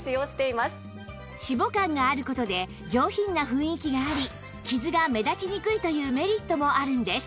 シボ感がある事で上品な雰囲気があり傷が目立ちにくいというメリットもあるんです